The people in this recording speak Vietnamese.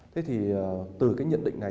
thế thì từ cái nhận định này